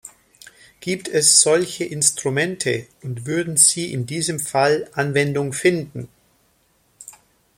Gibt es solche Instrumente und würden sie in diesem Fall Anwendung finden?